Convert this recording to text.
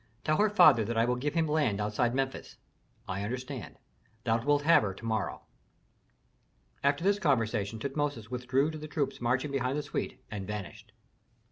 "Tell her father that I will give him land outside Memphis." "I understand. Thou wilt have her to morrow." After this conversation Tutmosis withdrew to the troops marching behind the suite, and vanished.